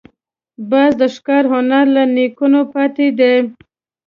باز د ښکار هنر له نیکونو پاتې دی